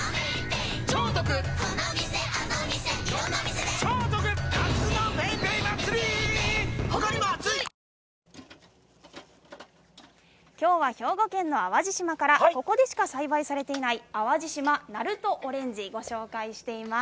でも、きょうは、兵庫県の淡路島からここでしか栽培されていないナルトオレンジをご紹介しています。